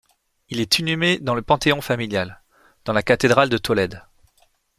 Il est inhumé dans le panthéon familial, dans la cathédrale de Tolède.